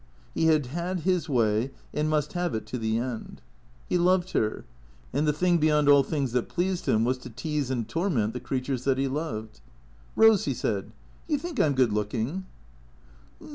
He had had his way and must have it to the end. He loved her ; and the thing beyond all things that pleased him was to tease and torment the creatures that he loved. " Eose," he said, " do you think I 'm good looking